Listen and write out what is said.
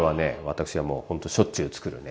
私はもうほんとしょっちゅうつくるね。